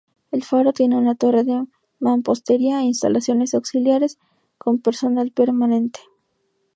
El faro tiene una torre de mampostería e instalaciones auxiliares con personal permanente.